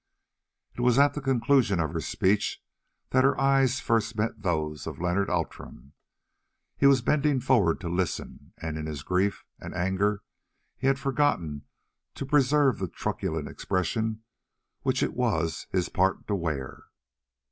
It was at the conclusion of her speech that her eyes first met those of Leonard Outram. He was bending forward to listen, and in his grief and anger he had forgotten to preserve the truculent expression which it was his part to wear.